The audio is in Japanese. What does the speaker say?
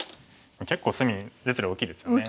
結構隅実利大きいですよね。